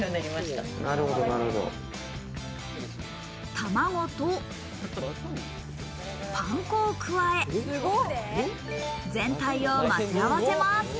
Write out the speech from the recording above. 卵とパン粉を加え、全体をまぜ合わせます。